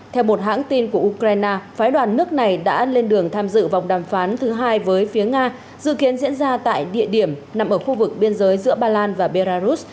theo một hãng tin của ukraine phái đoàn nước này đã lên đường tham dự vòng đàm phán thứ hai với phía nga dự kiến diễn ra tại địa điểm nằm ở khu vực biên giới giữa ba lan và belarus